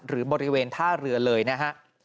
หรือบริเวณท่าเรือเลยนะฮะ